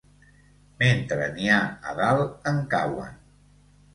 Mentre n'hi ha a dalt, en cauen.